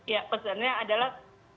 ya pesannya adalah